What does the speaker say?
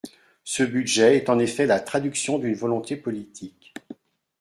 Ce budget est en effet la traduction d’une volonté politique.